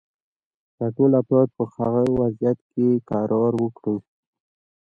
که ټول افراد په هغه وضعیت کې قرار ورکړو.